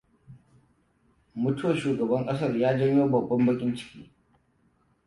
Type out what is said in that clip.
Mutuwar shugaban ƙasar ya janyo babban baƙin ciki.